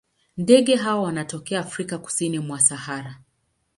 Ndege hawa wanatokea Afrika kusini mwa Sahara.